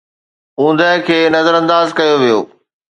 اوندهه کي نظرانداز ڪيو ويو